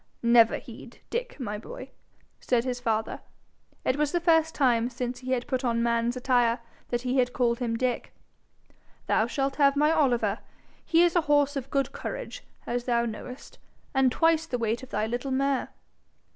'Never heed, Dick, my boy,' said his father. It was the first time since he had put on man's attire that he had called him Dick, 'Thou shalt have my Oliver. He is a horse of good courage, as thou knowest, and twice the weight of thy little mare.'